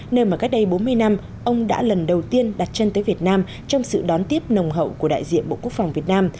nơi mà cách đây bốn mươi năm ông đã lần đầu tiên đặt chân tới việt nam trong sự đón tiếp nồng hậu của đại diện bộ quốc phòng việt nam